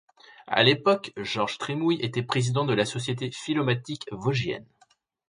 À l'époque Georges Trimouille était président de la Société philomatique vosgienne.